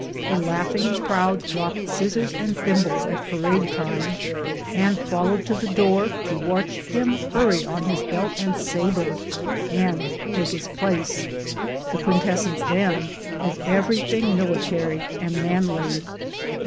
A laughing crowd dropped scissors and thimbles at parade time and fol lowed to the door to watch him hurry on his belt and sabre and take his place — the quintessence then of every thing military and manly.